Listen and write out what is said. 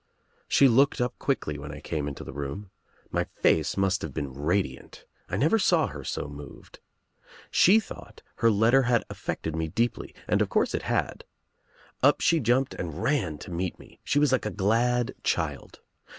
She looked up quickly when I came into the THE OTHER WOMAN 43 I I room. My face must have been radiant. I never saw her so moved. She thought her letter had affected me deeply, and of course it had. Up she jumped and ran to meet mc. She was like a glad child.